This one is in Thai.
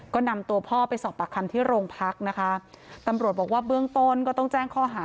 ก็นำตัวพ่อไปสอบปากคำที่โรงพักนะคะตำรวจบอกว่าเบื้องต้นก็ต้องแจ้งข้อหา